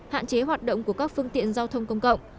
hạn chế hoạt động của các phương tiện giao thông công cộng